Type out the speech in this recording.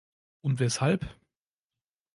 Und weshalb?